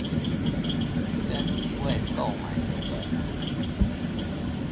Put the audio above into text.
跟一位購買的人